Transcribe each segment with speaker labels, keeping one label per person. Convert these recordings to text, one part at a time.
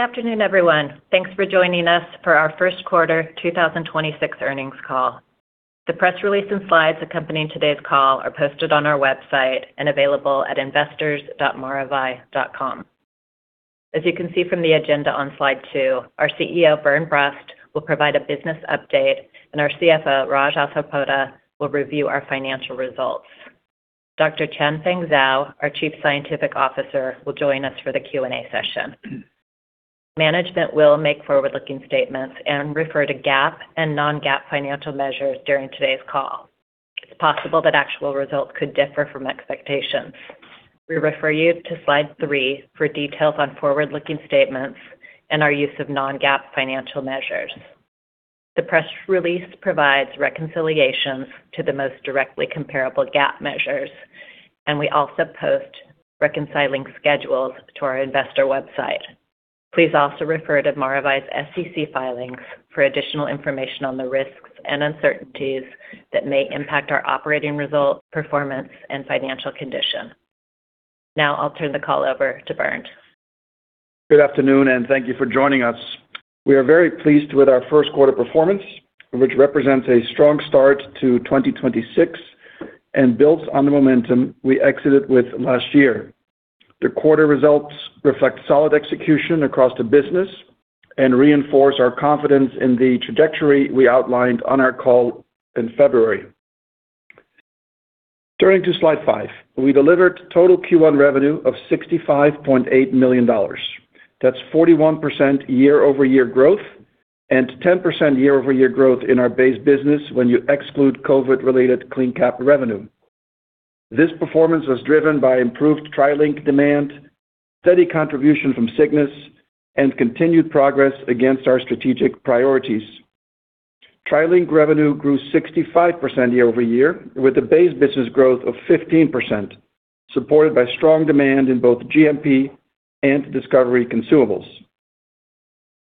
Speaker 1: Good afternoon, everyone. Thanks for joining us for our first quarter 2026 earnings call. The press release and slides accompanying today's call are posted on our website and available at investors.maravai.com. As you can see from the agenda on slide two, our CEO, Bernd Brust, will provide a business update, and our CFO, Raj Asarpota, will review our financial results. Dr. Chanfeng Zhao, our Chief Scientific Officer, will join us for the Q&A session. Management will make forward-looking statements and refer to GAAP and non-GAAP financial measures during today's call. It's possible that actual results could differ from expectations. We refer you to slide three for details on forward-looking statements and our use of non-GAAP financial measures. The press release provides reconciliations to the most directly comparable GAAP measures. We also post reconciling schedules to our investor website. Please also refer to Maravai's SEC filings for additional information on the risks and uncertainties that may impact our operating results, performance, and financial condition. Now I'll turn the call over to Bernd.
Speaker 2: Good afternoon. Thank you for joining us. We are very pleased with our first quarter performance, which represents a strong start to 2026 and builds on the momentum we exited with last year. The quarter results reflect solid execution across the business and reinforce our confidence in the trajectory we outlined on our call in February. Turning to slide five. We delivered total Q1 revenue of $65.8 million. That's 41% year-over-year growth and 10% year-over-year growth in our base business when you exclude COVID-related CleanCap revenue. This performance was driven by improved TriLink demand, steady contribution from Cygnus, and continued progress against our strategic priorities. TriLink revenue grew 65% year-over-year, with a base business growth of 15%, supported by strong demand in both GMP and discovery consumables.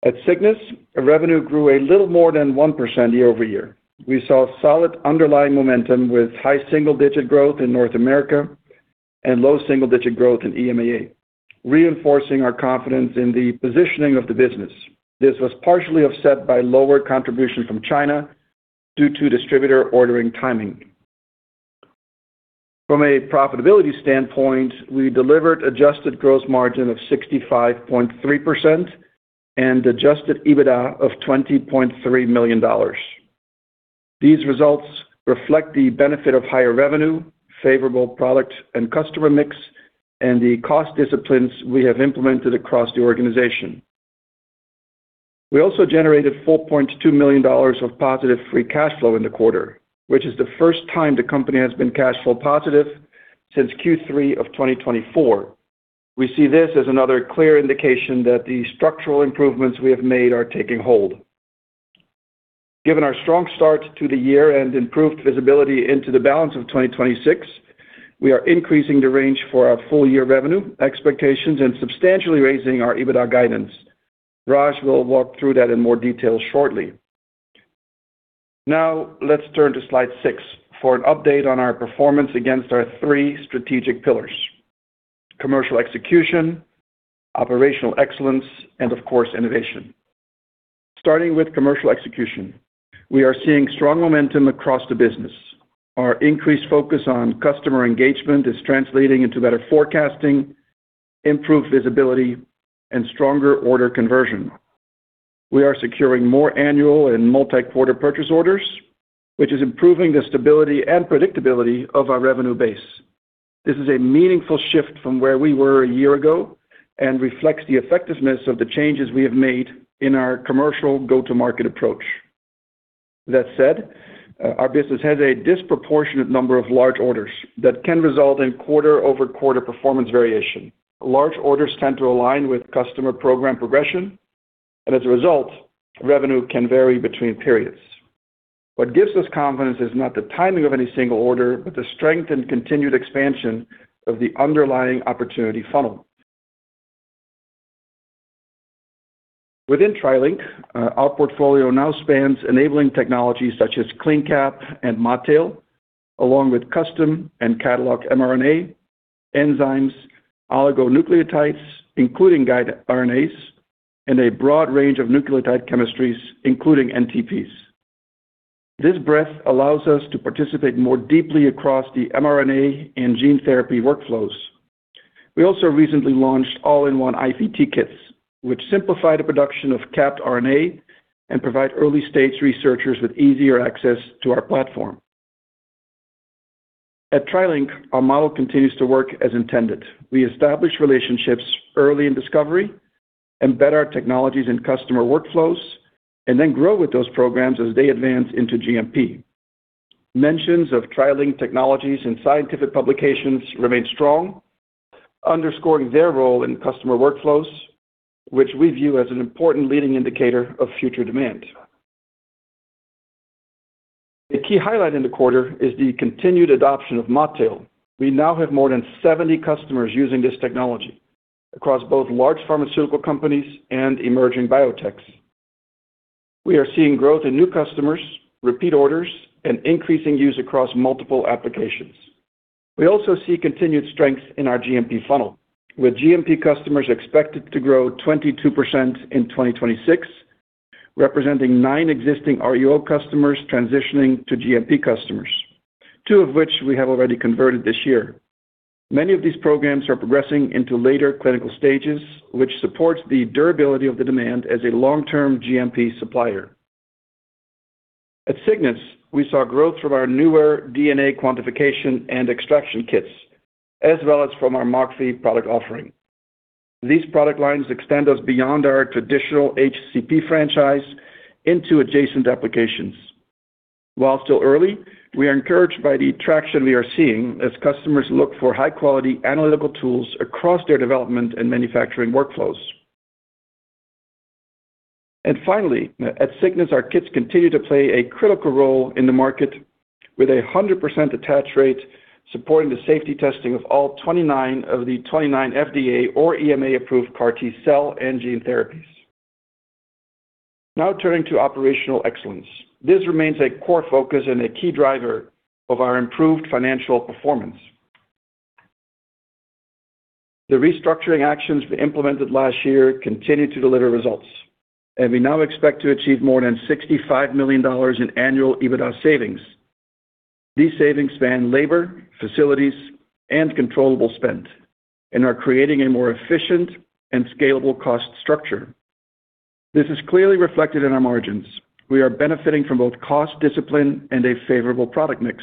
Speaker 2: At Cygnus, revenue grew a little more than 1% year-over-year. We saw solid underlying momentum with high single-digit growth in North America and low single-digit growth in EMEA, reinforcing our confidence in the positioning of the business. This was partially offset by lower contribution from China due to distributor ordering timing. From a profitability standpoint, we delivered adjusted gross margin of 65.3% and adjusted EBITDA of $20.3 million. These results reflect the benefit of higher revenue, favorable product and customer mix, and the cost disciplines we have implemented across the organization. We also generated $4.2 million of positive free cash flow in the quarter, which is the first time the company has been cash flow positive since Q3 of 2024. We see this as another clear indication that the structural improvements we have made are taking hold. Given our strong start to the year and improved visibility into the balance of 2026, we are increasing the range for our full-year revenue expectations and substantially raising our EBITDA guidance. Raj will walk through that in more detail shortly. Now, let's turn to slide six for an update on our performance against our three strategic pillars: commercial execution, operational excellence, and of course, innovation. Starting with commercial execution, we are seeing strong momentum across the business. Our increased focus on customer engagement is translating into better forecasting, improved visibility, and stronger order conversion. We are securing more annual and multi-quarter purchase orders, which is improving the stability and predictability of our revenue base. This is a meaningful shift from where we were a year ago and reflects the effectiveness of the changes we have made in our commercial go-to-market approach. That said, our business has a disproportionate number of large orders that can result in quarter-over-quarter performance variation. Large orders tend to align with customer program progression, and as a result, revenue can vary between periods. What gives us confidence is not the timing of any single order, but the strength and continued expansion of the underlying opportunity funnel. Within TriLink, our portfolio now spans enabling technologies such as CleanCap and ModTail, along with custom and catalog mRNA, enzymes, oligonucleotides, including guide RNAs, and a broad range of nucleotide chemistries, including NTPs. This breadth allows us to participate more deeply across the mRNA and gene therapy workflows. We also recently launched all-in-one IVT kits, which simplify the production of capped RNA and provide early-stage researchers with easier access to our platform. At TriLink, our model continues to work as intended. We establish relationships early in discovery, embed our technologies in customer workflows, and then grow with those programs as they advance into GMP. Mentions of TriLink technologies in scientific publications remain strong, underscoring their role in customer workflows, which we view as an important leading indicator of future demand. A key highlight in the quarter is the continued adoption of ModTail. We now have more than 70 customers using this technology across both large pharmaceutical companies and emerging biotechs. We are seeing growth in new customers, repeat orders, and increasing use across multiple applications. We also see continued strength in our GMP funnel, with GMP customers expected to grow 22% in 2026, representing nine existing RUO customers transitioning to GMP customers, two of which we have already converted this year. Many of these programs are progressing into later clinical stages, which supports the durability of the demand as a long-term GMP supplier. At Cygnus, we saw growth from our newer DNA quantification and extraction kits, as well as from our MockV product offering. These product lines extend us beyond our traditional HCP franchise into adjacent applications. While still early, we are encouraged by the traction we are seeing as customers look for high-quality analytical tools across their development and manufacturing workflows. Finally, at Cygnus, our kits continue to play a critical role in the market with a 100% attach rate, supporting the safety testing of all 29 of the 29 FDA or EMA-approved CAR T-cell and gene therapies. Now turning to operational excellence. This remains a core focus and a key driver of our improved financial performance. The restructuring actions we implemented last year continue to deliver results. We now expect to achieve more than $65 million in annual EBITDA savings. These savings span labor, facilities, and controllable spend and are creating a more efficient and scalable cost structure. This is clearly reflected in our margins. We are benefiting from both cost discipline and a favorable product mix,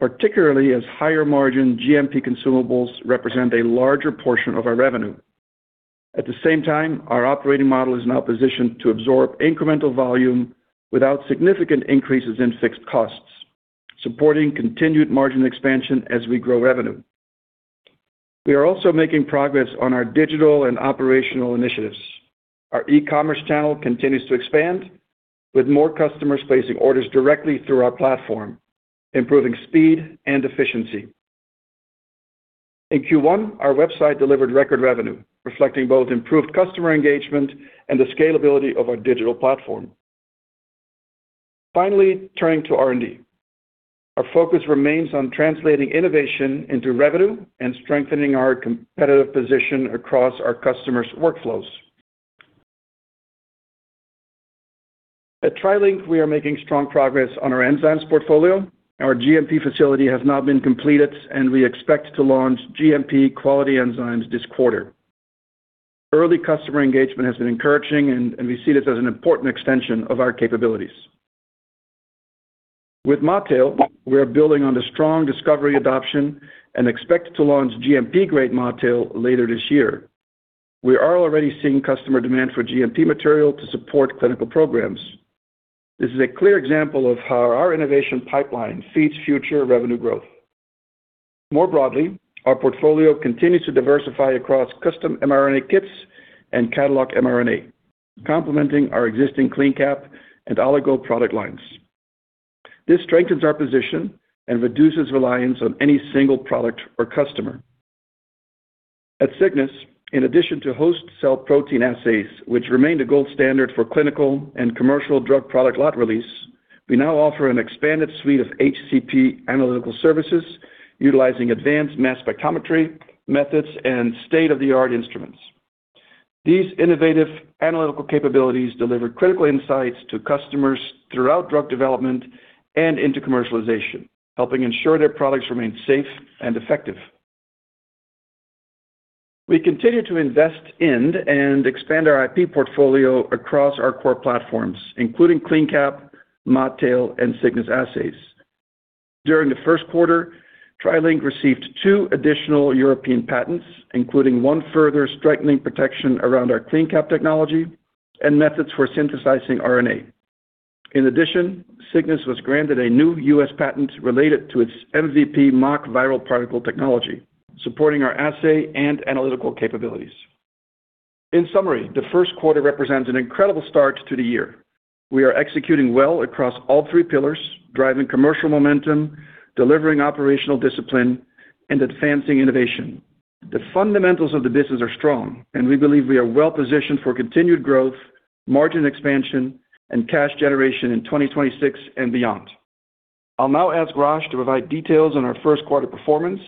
Speaker 2: particularly as higher-margin GMP consumables represent a larger portion of our revenue. At the same time, our operating model is now positioned to absorb incremental volume without significant increases in fixed costs, supporting continued margin expansion as we grow revenue. We are also making progress on our digital and operational initiatives. Our e-commerce channel continues to expand, with more customers placing orders directly through our platform, improving speed and efficiency. In Q1, our website delivered record revenue, reflecting both improved customer engagement and the scalability of our digital platform. Finally, turning to R&D. Our focus remains on translating innovation into revenue and strengthening our competitive position across our customers' workflows. At TriLink, we are making strong progress on our enzymes portfolio. Our GMP facility has now been completed, and we expect to launch GMP quality enzymes this quarter. Early customer engagement has been encouraging, and we see this as an important extension of our capabilities. With ModTail, we are building on the strong discovery adoption and expect to launch GMP-grade ModTail later this year. We are already seeing customer demand for GMP material to support clinical programs. This is a clear example of how our innovation pipeline feeds future revenue growth. More broadly, our portfolio continues to diversify across custom mRNA kits and catalog mRNA, complementing our existing CleanCap and Oligo product lines. This strengthens our position and reduces reliance on any single product or customer. At Cygnus, in addition to host cell protein assays, which remain the gold standard for clinical and commercial drug product lot release, we now offer an expanded suite of HCP analytical services utilizing advanced mass spectrometry methods and state-of-the-art instruments. These innovative analytical capabilities deliver critical insights to customers throughout drug development and into commercialization, helping ensure their products remain safe and effective. We continue to invest in and expand our IP portfolio across our core platforms, including CleanCap, ModTail, and Cygnus assays. During the first quarter, TriLink received two additional European patents, including one further strengthening protection around our CleanCap technology and methods for synthesizing RNA. In addition, Cygnus was granted a new U.S. patent related to its MVP, Mock Viral Particle technology, supporting our assay and analytical capabilities. In summary, the first quarter represents an incredible start to the year. We are executing well across all three pillars, driving commercial momentum, delivering operational discipline, and advancing innovation. The fundamentals of the business are strong, and we believe we are well positioned for continued growth, margin expansion, and cash generation in 2026 and beyond. I'll now ask Raj to provide details on our first quarter performance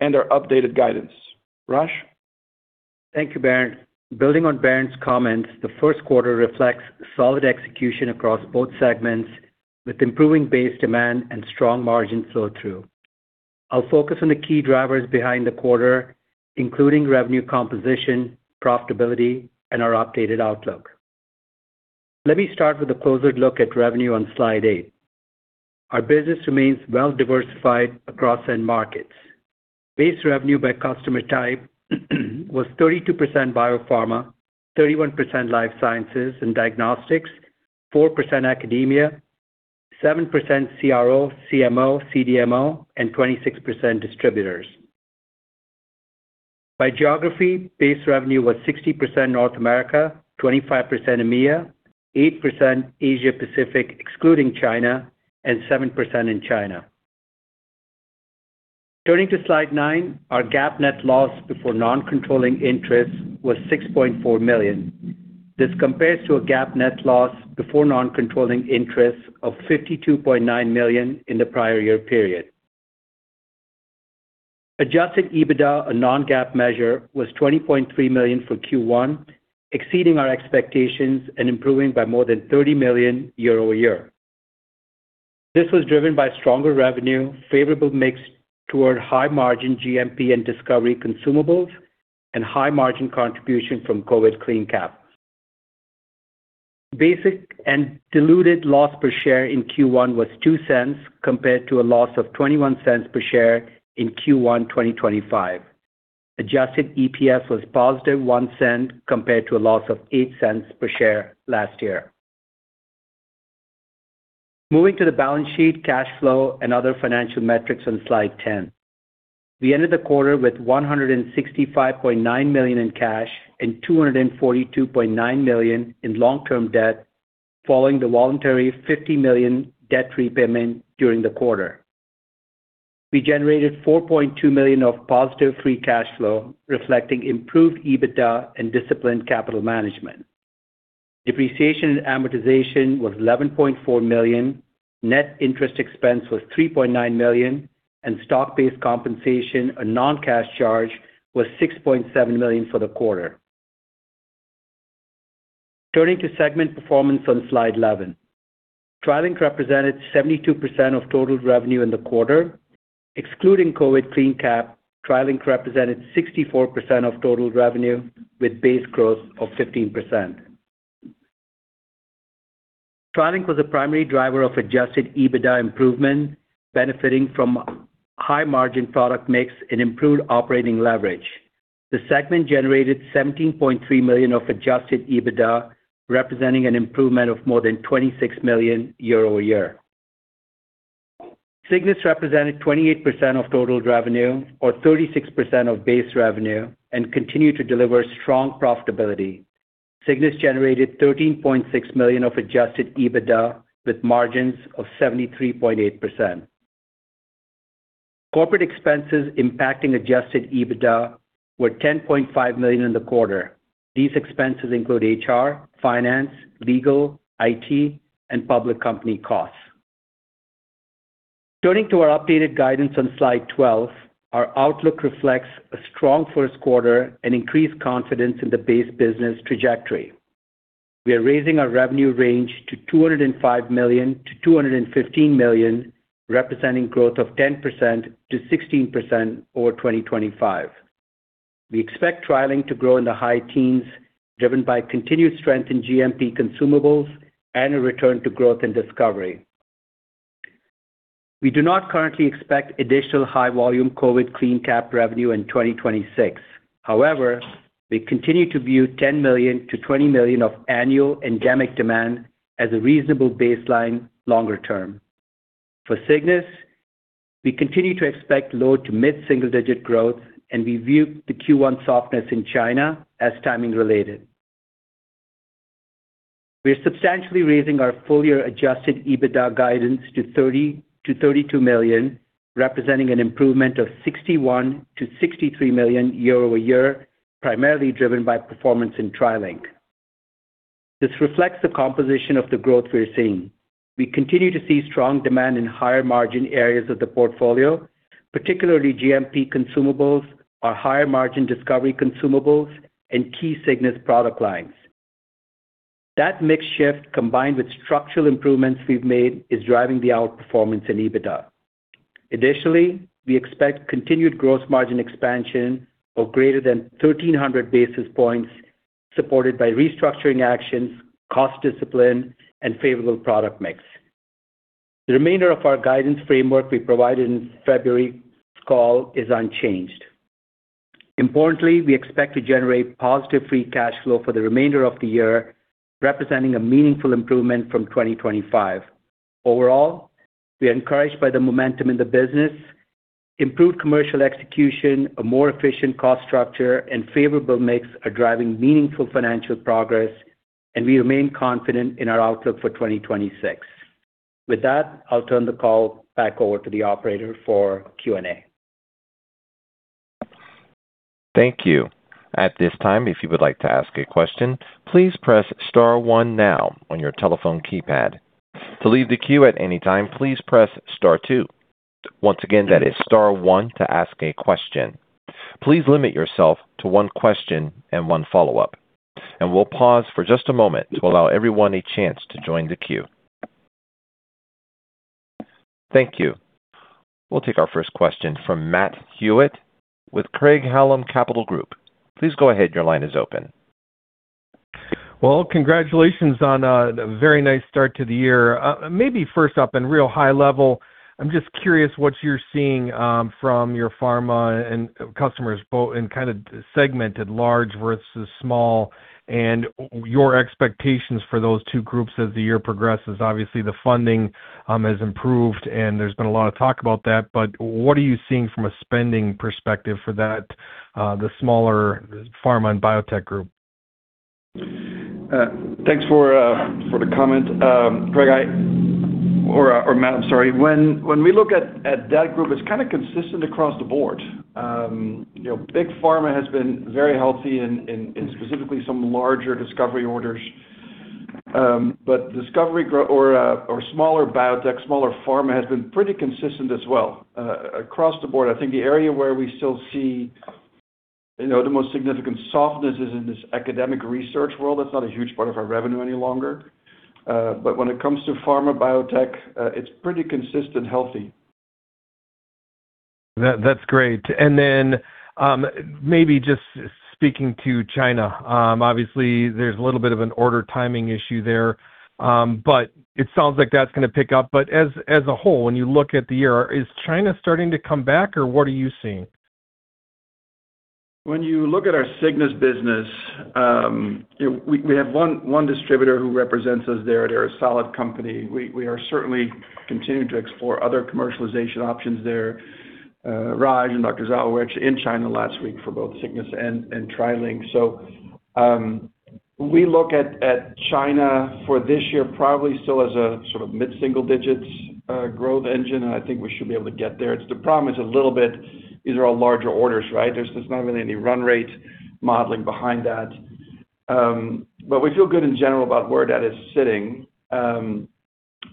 Speaker 2: and our updated guidance. Raj.
Speaker 3: Thank you, Bernd. Building on Bernd's comments, the first quarter reflects solid execution across both segments with improving base demand and strong margin flow-through. I'll focus on the key drivers behind the quarter, including revenue composition, profitability, and our updated outlook. Let me start with a closer look at revenue on slide eight. Our business remains well-diversified across end markets. Base revenue by customer type was 32% biopharma, 31% life sciences and diagnostics, 4% academia, 7% CRO/CMO/CDMO, and 26% distributors. By geography, base revenue was 60% North America, 25% EMEA, 8% Asia Pacific, excluding China, and 7% in China. Turning to slide nine, our GAAP net loss before non-controlling interest was $6.4 million. This compares to a GAAP net loss before non-controlling interest of $52.9 million in the prior year period. Adjusted EBITDA, a non-GAAP measure, was $20.3 million for Q1, exceeding our expectations and improving by more than $30 million year-over-year. This was driven by stronger revenue, favorable mix toward high-margin GMP and discovery consumables, and high-margin contribution from COVID CleanCap. Basic and diluted loss per share in Q1 was $0.02, compared to a loss of $0.21 per share in Q1 2025. Adjusted EPS was +$0.01, compared to a loss of $0.08 per share last year. Moving to the balance sheet, cash flow, and other financial metrics on slide 10. We ended the quarter with $165.9 million in cash and $242.9 million in long-term debt, following the voluntary $50 million debt repayment during the quarter. We generated $4.2 million of positive free cash flow, reflecting improved EBITDA and disciplined capital management. Depreciation and amortization was $11.4 million, net interest expense was $3.9 million, and stock-based compensation, a non-cash charge, was $6.7 million for the quarter. Turning to segment performance on slide 11. TriLink represented 72% of total revenue in the quarter. Excluding COVID CleanCap, TriLink represented 64% of total revenue, with base growth of 15%. TriLink was a primary driver of adjusted EBITDA improvement, benefiting from high margin product mix and improved operating leverage. The segment generated $17.3 million of adjusted EBITDA, representing an improvement of more than $26 million year-over-year. Cygnus represented 28% of total revenue or 36% of base revenue and continued to deliver strong profitability. Cygnus generated $13.6 million of adjusted EBITDA with margins of 73.8%. Corporate expenses impacting adjusted EBITDA were $10.5 million in the quarter. These expenses include HR, finance, legal, IT, and public company costs. Turning to our updated guidance on slide 12, our outlook reflects a strong first quarter and increased confidence in the base business trajectory. We are raising our revenue range to $205 million-$215 million, representing growth of 10%-16% over 2025. We expect TriLink to grow in the high teens, driven by continued strength in GMP consumables and a return to growth in discovery. We do not currently expect additional high volume COVID CleanCap revenue in 2026. We continue to view $10 million-$20 million of annual endemic demand as a reasonable baseline longer term. For Cygnus, we continue to expect low to mid-single digit growth, and we view the Q1 softness in China as timing related. We are substantially raising our full-year adjusted EBITDA guidance to $30 million-$32 million, representing an improvement of $61 million-$63 million year-over-year, primarily driven by performance in TriLink. This reflects the composition of the growth we are seeing. We continue to see strong demand in higher margin areas of the portfolio, particularly GMP consumables, our higher margin discovery consumables, and key Cygnus product lines. That mix shift, combined with structural improvements we've made, is driving the outperformance in EBITDA. Additionally, we expect continued gross margin expansion of greater than 1,300 basis points, supported by restructuring actions, cost discipline, and favorable product mix. The remainder of our guidance framework we provided in February's call is unchanged. Importantly, we expect to generate positive free cash flow for the remainder of the year, representing a meaningful improvement from 2025. Overall, we are encouraged by the momentum in the business. Improved commercial execution, a more efficient cost structure, and favorable mix are driving meaningful financial progress. We remain confident in our outlook for 2026. With that, I'll turn the call back over to the operator for Q&A.
Speaker 4: Thank you. At this time, if you would like to ask a question, please press star one now on your telephone keypad. To leave the queue at any time, please press star two. Once again, that is star one to ask a question. Please limit yourself to one question and one follow-up. We'll pause for just a moment to allow everyone a chance to join the queue. Thank you. We'll take our first question from Matt Hewitt with Craig-Hallum Capital Group. Please go ahead. Your line is open.
Speaker 5: Well, congratulations on a very nice start to the year. Maybe first up and real high level, I'm just curious what you're seeing from your pharma and customers both in kind of segmented large versus small and your expectations for those two groups as the year progresses. Obviously, the funding has improved, and there's been a lot of talk about that. What are you seeing from a spending perspective for that, the smaller pharma and biotech group?
Speaker 2: Thanks for the comment. Craig, or Matt, I'm sorry. When we look at that group, it's kind of consistent across the board. You know, big pharma has been very healthy in specifically some larger discovery orders. Discovery or smaller biotech, smaller pharma has been pretty consistent as well across the board. I think the area where we still see, you know, the most significant softness is in this academic research world. That's not a huge part of our revenue any longer. When it comes to pharma, biotech, it's pretty consistent, healthy.
Speaker 5: That's great. Maybe just speaking to China, obviously there's a little bit of an order timing issue there. It sounds like that's going to pick up. As a whole, when you look at the year, is China starting to come back, or what are you seeing?
Speaker 2: When you look at our Cygnus business, you know, we have one distributor who represents us there. They're a solid company. We are certainly continuing to explore other commercialization options there. Raj and Dr. Zhao was in China last week for both Cygnus and TriLink. We look at China for this year probably still as a sort of mid-single digits growth engine, and I think we should be able to get there. It's the promise a little bit. These are all larger orders, right? There's not really any run rate modeling behind that. We feel good in general about where that is sitting.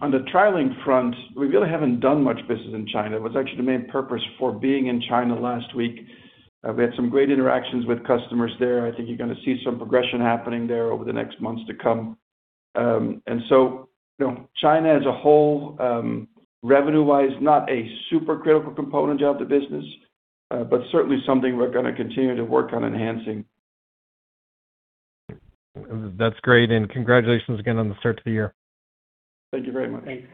Speaker 2: On the TriLink front, we really haven't done much business in China. It was actually the main purpose for being in China last week. We had some great interactions with customers there. I think you're going to see some progression happening there over the next months to come. You know, China as a whole, revenue-wise, not a super critical component of the business, but certainly something we're going to continue to work on enhancing.
Speaker 5: That's great. Congratulations again on the start to the year.
Speaker 2: Thank you very much.
Speaker 3: Thank you.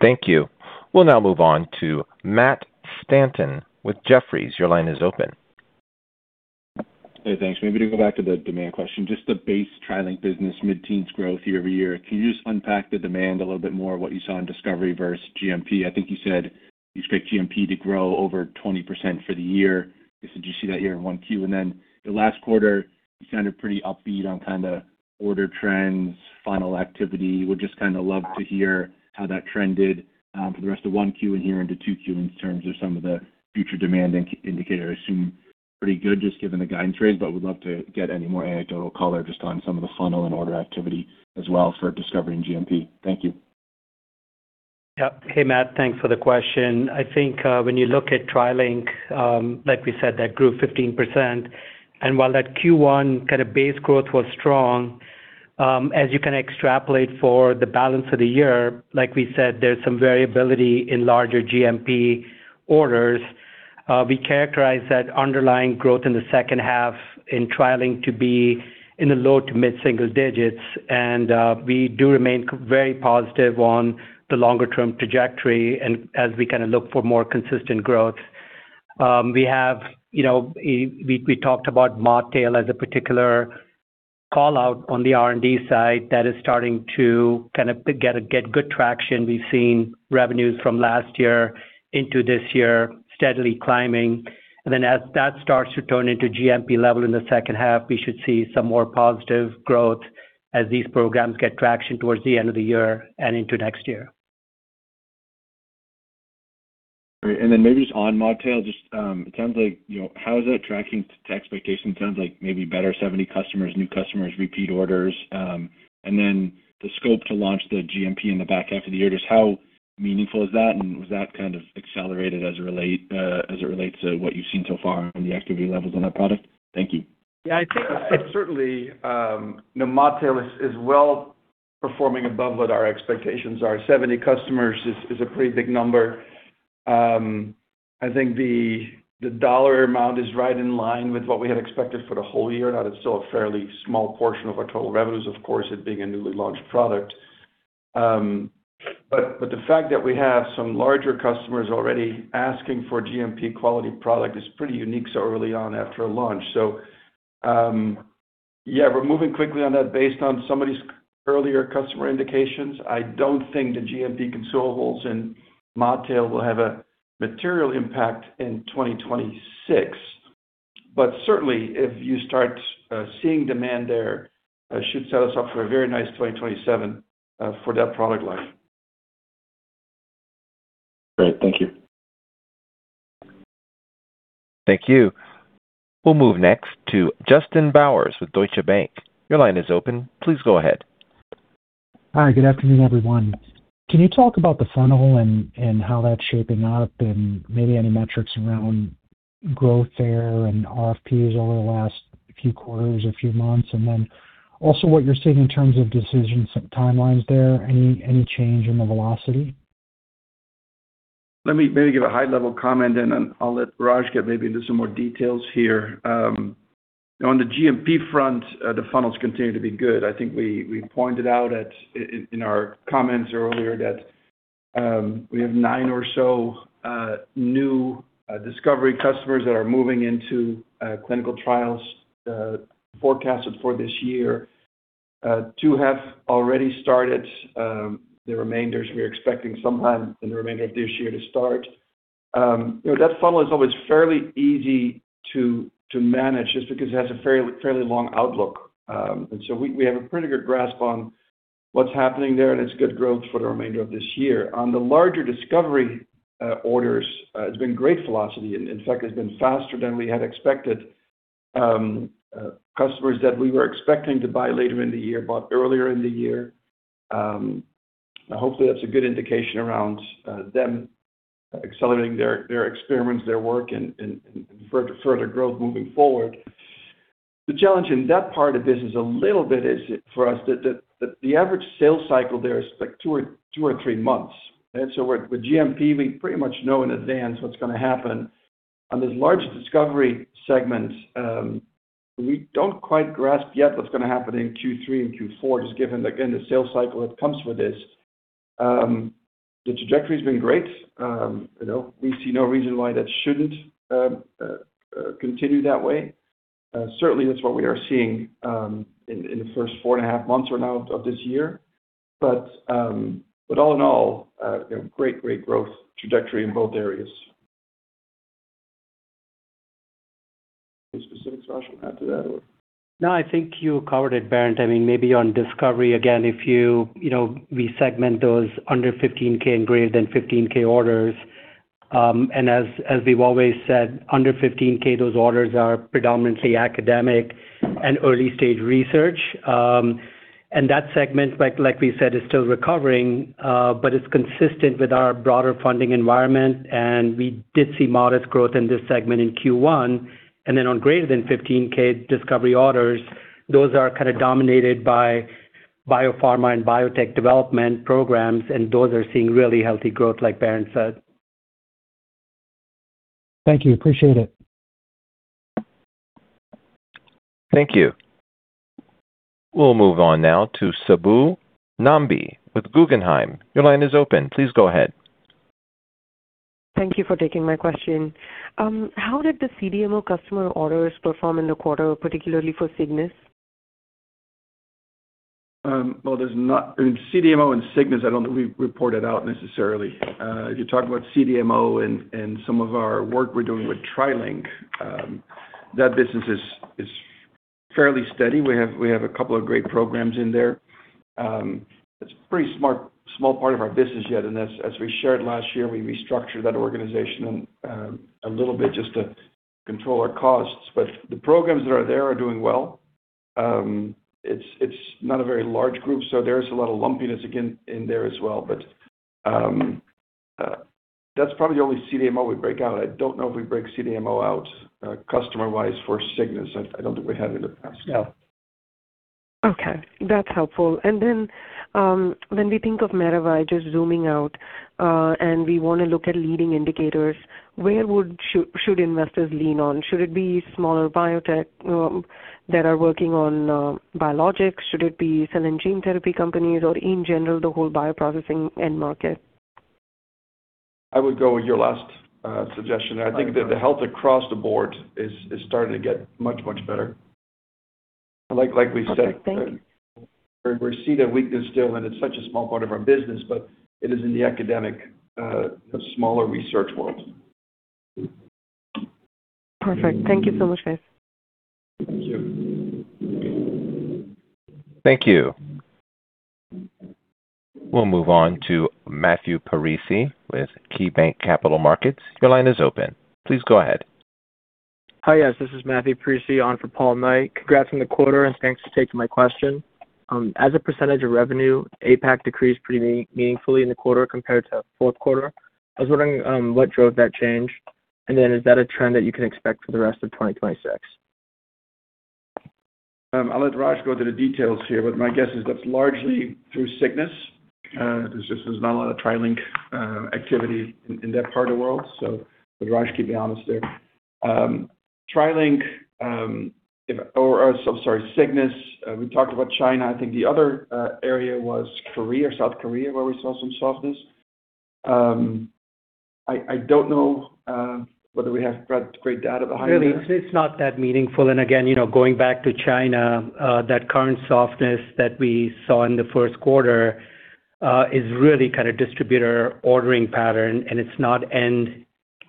Speaker 4: Thank you. We'll now move on to Matt Stanton with Jefferies. Your line is open.
Speaker 6: Thanks. Maybe to go back to the demand question, just the base TriLink business, mid-teens growth year-over-year. Can you just unpack the demand a little bit more, what you saw in discovery versus GMP? I think you said you expect GMP to grow over 20% for the year. Did you see that here in 1Q? The last quarter, you sounded pretty upbeat on kind of order trends, funnel activity. Would just kind of love to hear how that trended for the rest of 1Q and here into 2Q in terms of some of the future demand indicator. I assume pretty good just given the guidance range, would love to get any more anecdotal color just on some of the funnel and order activity as well for discovery and GMP. Thank you.
Speaker 3: Yeah. Hey, Matt, thanks for the question. I think, when you look at TriLink, like we said, that grew 15%. While that Q1 kind of base growth was strong, as you can extrapolate for the balance of the year, like we said, there's some variability in larger GMP orders. We characterize that underlying growth in the second half in TriLink to be in the low to mid single digits. We do remain very positive on the longer-term trajectory and as we kind of look for more consistent growth. We have, you know, we talked about ModTail as a particular call-out on the R&D side that is starting to get good traction. We've seen revenues from last year into this year steadily climbing. As that starts to turn into GMP level in the second half, we should see some more positive growth as these programs get traction towards the end of the year and into next year.
Speaker 6: Great. Maybe just on ModTail, you know, how is that tracking to expectations? Sounds like maybe better 70 customers, new customers, repeat orders. The scope to launch the GMP in the back half of the year, just how meaningful is that? Was that kind of accelerated as it relates to what you've seen so far on the activity levels on that product? Thank you.
Speaker 2: I think certainly, you know, ModTail is well performing above what our expectations are. 70 customers is a pretty big number. I think the dollar amount is right in line with what we had expected for the whole year. It's still a fairly small portion of our total revenues, of course, it being a newly launched product. The fact that we have some larger customers already asking for GMP quality product is pretty unique so early on after a launch. We're moving quickly on that based on some of these earlier customer indications. I don't think the GMP consumables in ModTail will have a material impact in 2026. Certainly, if you start seeing demand there, it should set us up for a very nice 2027 for that product line.
Speaker 6: Great. Thank you.
Speaker 4: Thank you. We'll move next to Justin Bowers with Deutsche Bank. Your line is open. Please go ahead.
Speaker 7: Hi, good afternoon, everyone. Can you talk about the funnel and how that's shaping up and maybe any metrics around growth there and RFPs over the last few quarters or few months? Also, what you're seeing in terms of decisions and timelines there, any change in the velocity?
Speaker 2: Let me maybe give a high-level comment, then I'll let Raj get maybe into some more details here. On the GMP front, the funnels continue to be good. I think we pointed out in our comments earlier that we have nine or so new discovery customers that are moving into clinical trials, forecasted for this year. Two have already started. The remainders we're expecting sometime in the remainder of this year to start. You know, that funnel is always fairly easy to manage just because it has a fairly long outlook. We have a pretty good grasp on what's happening there, and it's good growth for the remainder of this year. On the larger discovery orders, it's been great velocity, and in fact, it's been faster than we had expected. Customers that we were expecting to buy later in the year bought earlier in the year. Hopefully that's a good indication around them accelerating their experiments, their work and further growth moving forward. The challenge in that part of the business is a little bit, for us the average sales cycle there is like two or three months. With GMP, we pretty much know in advance what's gonna happen. On this large discovery segment, we don't quite grasp yet what's gonna happen in Q3 and Q4, just given, again, the sales cycle that comes with this. The trajectory has been great. You know, we see no reason why that shouldn't continue that way. Certainly that's what we are seeing, in the first four and a half months or now of this year. All in all, you know, great growth trajectory in both areas. Any specifics, Raj, you want to add to that or?
Speaker 3: No, I think you covered it, Bernd. I mean, maybe on discovery, again, if you know, we segment those under 15,000 and greater than 15,000 orders. As we've always said, under 15,000, those orders are predominantly academic and early-stage research. That segment, like we said, is still recovering, but it's consistent with our broader funding environment, and we did see modest growth in this segment in Q1. Then on greater than 15,000 discovery orders, those are kind of dominated by biopharma and biotech development programs, and those are seeing really healthy growth, like Bernd said.
Speaker 7: Thank you. Appreciate it.
Speaker 4: Thank you. We'll move on now to Subbu Nambi with Guggenheim. Your line is open. Please go ahead.
Speaker 8: Thank you for taking my question. How did the CDMO customer orders perform in the quarter, particularly for Cygnus?
Speaker 2: There's not in CDMO and Cygnus, I don't know if we report it out necessarily. If you talk about CDMO and some of our work we're doing with TriLink, that business is fairly steady. We have a couple of great programs in there. It's a pretty small part of our business yet. As we shared last year, we restructured that organization a little bit just to control our costs. The programs that are there are doing well. It's not a very large group, so there's a lot of lumpiness again in there as well. That's probably the only CDMO we break out. I don't know if we break CDMO out customer-wise for Cygnus. I don't think we have in the past.
Speaker 3: Yeah.
Speaker 8: Okay, that's helpful. When we think of Maravai, just zooming out, and we want to look at leading indicators, where should investors lean on? Should it be smaller biotech, that are working on, biologics? Should it be cell and gene therapy companies or in general the whole bioprocessing end market?
Speaker 2: I would go with your last suggestion. I think that the health across the board is starting to get much, much better.
Speaker 8: Okay, thank you.
Speaker 2: Where we're seeing a weakness still, and it's such a small part of our business, but it is in the academic, smaller research world.
Speaker 8: Perfect. Thank you so much, guys.
Speaker 2: Thank you.
Speaker 4: Thank you. We'll move on to Matthew Parisi with KeyBanc Capital Markets. Your line is open. Please go ahead.
Speaker 9: Hi, guys. This is Matthew Parisi on for Paul Knight. Congrats on the quarter and thanks for taking my question. As a percentage of revenue, APAC decreased pretty meaningfully in the quarter compared to fourth quarter. I was wondering what drove that change, is that a trend that you can expect for the rest of 2026?
Speaker 2: I'll let Raj go through the details here, but my guess is that's largely through Cygnus. There's not a lot of TriLink activity in that part of the world. Raj, keep me honest there. TriLink, or I'm sorry, Cygnus, we talked about China. I think the other area was Korea, South Korea, where we saw some softness. I don't know whether we have great data behind that.
Speaker 3: Really, it's not that meaningful. Again, you know, going back to China, that current softness that we saw in the first quarter is really kind of distributor ordering pattern, and it's not end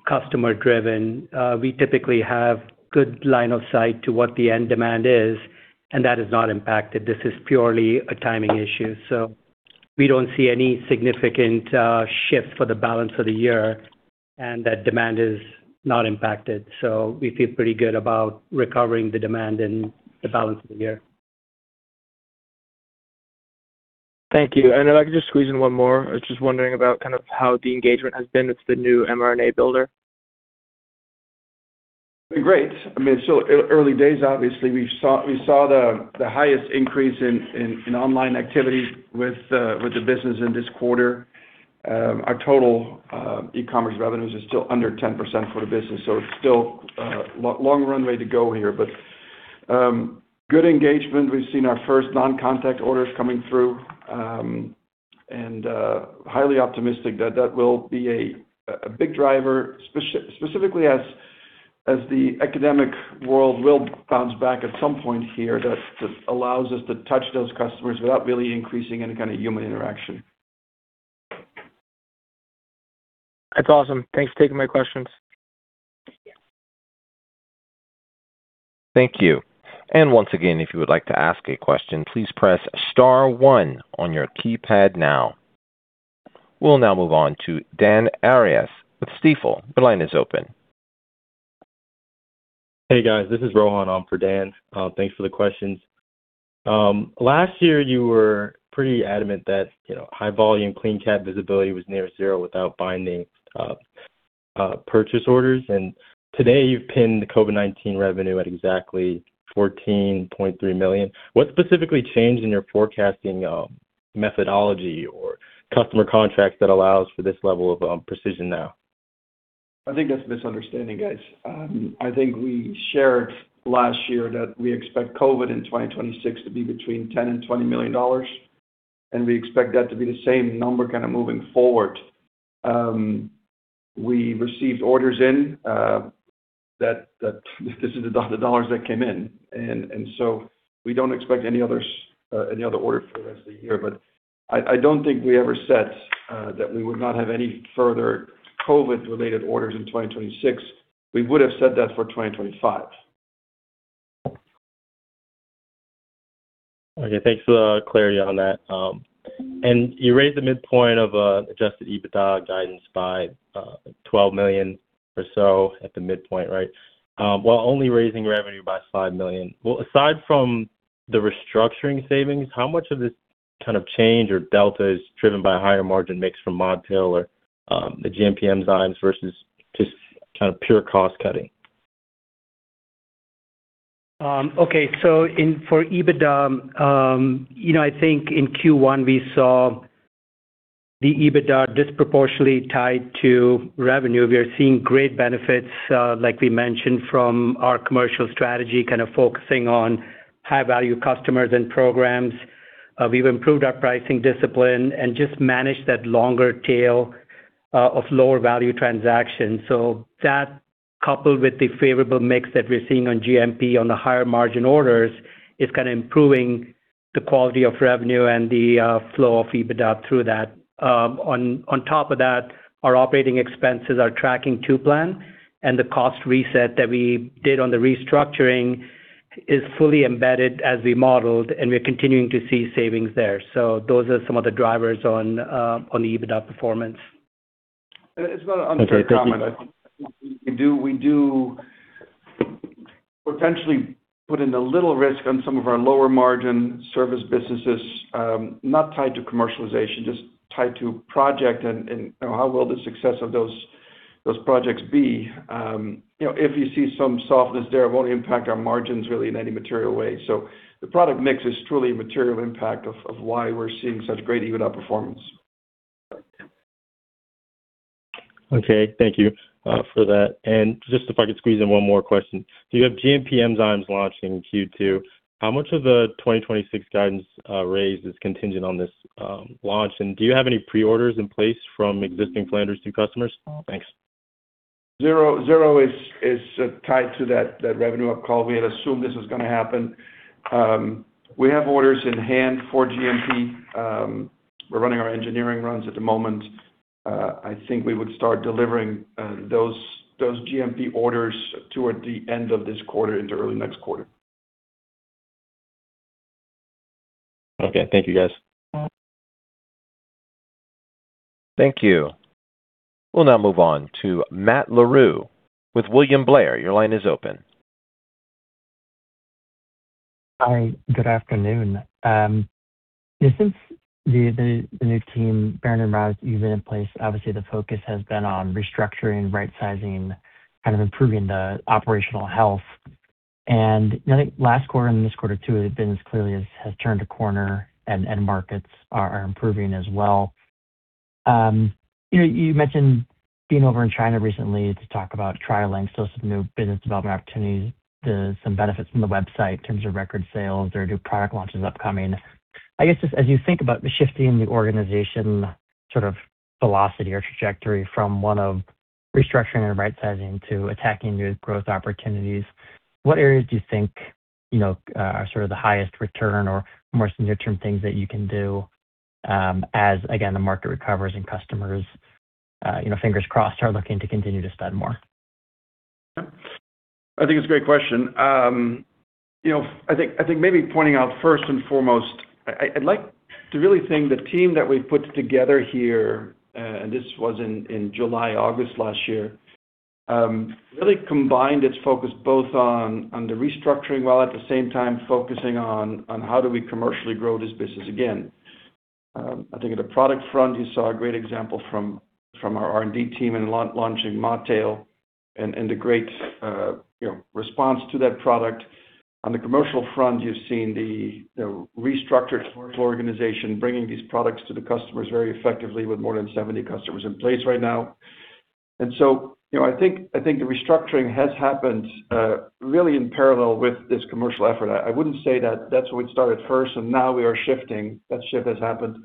Speaker 3: customer driven. We typically have good line of sight to what the end demand is, and that is not impacted. This is purely a timing issue. We don't see any significant shift for the balance of the year, and that demand is not impacted. We feel pretty good about recovering the demand in the balance of the year.
Speaker 9: Thank you. If I could just squeeze in one more. I was just wondering about kind of how the engagement has been with the new mRNAbuilder.
Speaker 2: Great. I mean, still early days, obviously. We saw the highest increase in online activity with the business in this quarter. Our total e-commerce revenues is still under 10% for the business, so it's still a long runway to go here. Good engagement. We've seen our first non-contact orders coming through, and highly optimistic that that will be a big driver specifically as the academic world will bounce back at some point here, that just allows us to touch those customers without really increasing any kind of human interaction.
Speaker 9: That's awesome. Thanks for taking my questions.
Speaker 4: Thank you. Once again, if you would like to ask a question, please press star one on your keypad now. We'll now move on to Dan Arias with Stifel. Your line is open.
Speaker 10: Hey, guys. This is Rohan on for Dan. Thanks for the questions. Last year you were pretty adamant that, you know, high volume CleanCap visibility was near zero without binding purchase orders. Today you've pinned the COVID-19 revenue at exactly $14.3 million. What specifically changed in your forecasting methodology or customer contracts that allows for this level of precision now?
Speaker 2: I think that's a misunderstanding, guys. I think we shared last year that we expect COVID in 2026 to be between $10 million and $20 million, and we expect that to be the same number kind of moving forward. We received orders in that this is the dollars that came in. We don't expect any other orders for the rest of the year. I don't think we ever said that we would not have any further COVID-related orders in 2026. We would have said that for 2025.
Speaker 10: Okay, thanks for the clarity on that. You raised the midpoint of adjusted EBITDA guidance by $12 million or so at the midpoint, right? While only raising revenue by $5 million. Well, aside from the restructuring savings, how much of this kind of change or delta is driven by higher margin mix from ModTail or the GMP Enzymes versus just kind of pure cost cutting?
Speaker 3: In, for EBITDA, you know, I think in Q1 we saw the EBITDA disproportionately tied to revenue. We are seeing great benefits, like we mentioned from our commercial strategy, kind of focusing on high-value customers and programs. We've improved our pricing discipline and just managed that longer tail of lower value transactions. That coupled with the favorable mix that we're seeing on GMP on the higher margin orders is kind of improving the quality of revenue and the flow of EBITDA through that. On top of that, our operating expenses are tracking to plan and the cost reset that we did on the restructuring is fully embedded as we modeled, and we're continuing to see savings there. Those are some of the drivers on the EBITDA performance.
Speaker 2: It's not an unfair comment.
Speaker 10: Okay, thank you.
Speaker 2: We do potentially put in a little risk on some of our lower margin service businesses, not tied to commercialization, just tied to project, and you know, how will the success of those projects be. You know, if you see some softness there, it won't impact our margins really in any material way. The product mix is truly a material impact of why we're seeing such great EBITDA performance.
Speaker 10: Okay, thank you, for that. Just if I could squeeze in one more question. You have GMP Enzymes launching in Q2. How much of the 2026 guidance, raise is contingent on this, launch? Do you have any pre-orders in place from existing Flanders 2 customers? Thanks.
Speaker 2: Zero is tied to that revenue up call. We had assumed this was going to happen. We have orders in hand for GMP. We're running our engineering runs at the moment. I think we would start delivering those GMP orders toward the end of this quarter into early next quarter.
Speaker 10: Okay. Thank you, guys.
Speaker 4: Thank you. We'll now move on to Matt Larew with William Blair. Your line is open.
Speaker 11: Hi. Good afternoon. Since the new team, Bernd and Raj, you've been in place, obviously the focus has been on restructuring, right-sizing, kind of improving the operational health. I think last quarter and this quarter too, it's been as clearly as has turned a corner and markets are improving as well. You know, you mentioned being over in China recently to talk about TriLink still some new business development opportunities, some benefits from the website in terms of record sales or new product launches upcoming. I guess just as you think about shifting the organization sort of velocity or trajectory from one of restructuring and right-sizing to attacking new growth opportunities, what areas do you think, you know, are sort of the highest return or more near-term things that you can do, as again, the market recovers and customers, you know, fingers crossed, are looking to continue to spend more?
Speaker 2: I think it's a great question. You know, I think maybe pointing out first and foremost, I'd like to really thank the team that we've put together here, and this was in July, August last year, really combined its focus both on the restructuring while at the same time focusing on how do we commercially grow this business again. I think at the product front, you saw a great example from our R&D team in launching ModTail and the great, you know, response to that product. On the commercial front, you've seen the restructured commercial organization bringing these products to the customers very effectively with more than 70 customers in place right now. You know, I think the restructuring has happened really in parallel with this commercial effort. I wouldn't say that that's what started first and now we are shifting. That shift has happened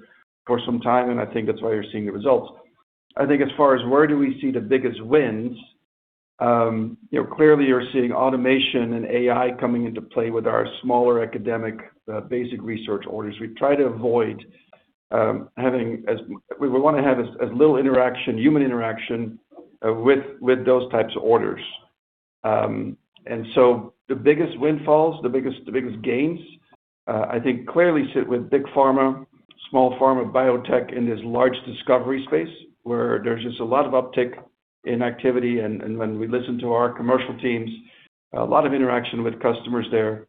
Speaker 2: for some time, and I think that's why you're seeing the results. I think as far as where do we see the biggest wins, you know, clearly you're seeing automation and AI coming into play with our smaller academic, basic research orders. We try to avoid, we wanna have as little interaction, human interaction, with those types of orders. The biggest windfalls, the biggest gains, I think clearly sit with big pharma, small pharma, biotech in this large discovery space where there's just a lot of uptick in activity and when we listen to our commercial teams, a lot of interaction with customers there.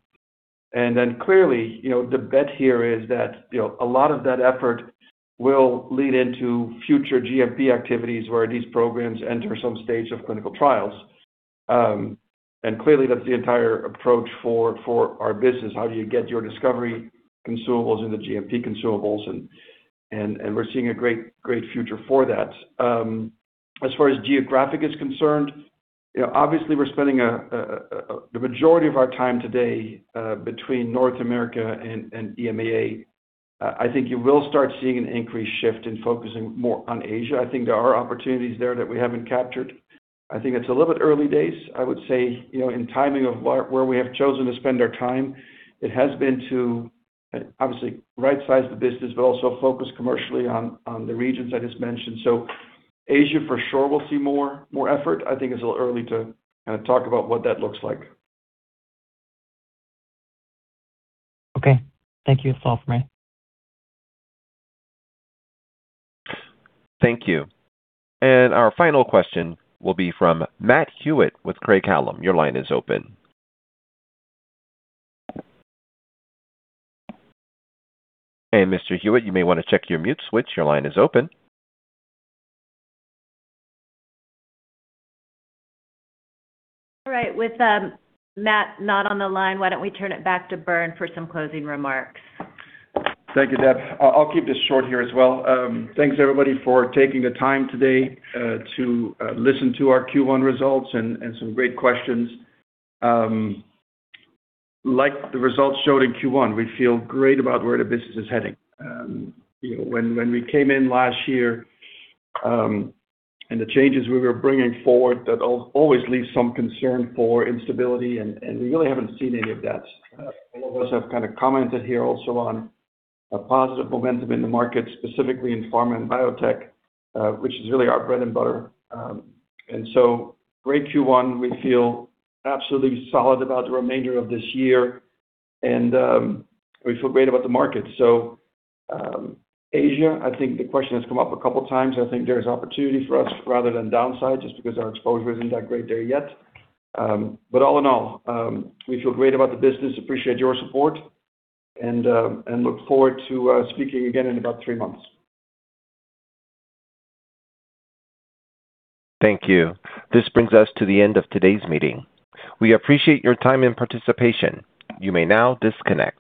Speaker 2: Clearly, you know, the bet here is that, you know, a lot of that effort will lead into future GMP activities where these programs enter some stage of clinical trials. Clearly that's the entire approach for our business. How do you get your discovery consumables into GMP consumables? We're seeing a great future for that. As far as geographic is concerned, you know, obviously we're spending the majority of our time today between North America and EMEA. I think you will start seeing an increased shift in focusing more on Asia. I think there are opportunities there that we haven't captured. I think it's a little bit early days. I would say, you know, in timing of where we have chosen to spend our time, it has been to obviously rightsize the business, but also focus commercially on the regions I just mentioned. Asia for sure will see more effort. I think it's a little early to kinda talk about what that looks like.
Speaker 11: Okay. Thank you. That's all for me.
Speaker 4: Thank you. Our final question will be from Matt Hewitt with Craig-Hallum. Your line is open. Hey, Mr. Hewitt, you may wanna check your mute switch. Your line is open.
Speaker 1: All right. With Matt not on the line, why don't we turn it back to Bernd for some closing remarks?
Speaker 2: Thank you, Deb. I'll keep this short here as well. Thanks everybody for taking the time today to listen to our Q1 results and some great questions. Like the results showed in Q1, we feel great about where the business is heading. You know, when we came in last year, and the changes we were bringing forward, that always leaves some concern for instability and we really haven't seen any of that. All of us have kind of commented here also on a positive momentum in the market, specifically in pharma and biotech, which is really our bread and butter. Great Q1. We feel absolutely solid about the remainder of this year and we feel great about the market. Asia, I think the question has come up a couple of times. I think there's opportunity for us rather than downside, just because our exposure isn't that great there yet. All in all, we feel great about the business. Appreciate your support and look forward to speaking again in about three months.
Speaker 4: Thank you. This brings us to the end of today's meeting. We appreciate your time and participation. You may now disconnect.